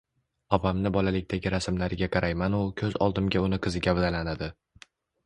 Opamni bolalikdagi rasmlariga qaraymanu koʻz oldimda uni qizi gavdalanadi.